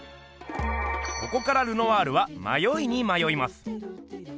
ここからルノワールはまよいにまよいます。